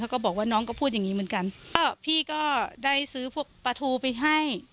ก็บอกว่าน้องก็พูดอย่างงี้เหมือนกันก็พี่ก็ได้ซื้อพวกปลาทูไปให้